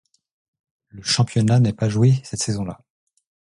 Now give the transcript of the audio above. Le championnat n'est pas joué cette saison-là.